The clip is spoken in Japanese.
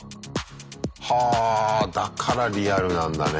はぁだからリアルなんだね。